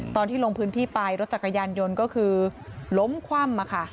ตอนที่ลงพิสิทธิ์ไปรถจักรยานยนต์ก็คือล้มคว่ำอะค่ะ